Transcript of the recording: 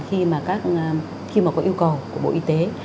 khi mà có yêu cầu của bộ y tế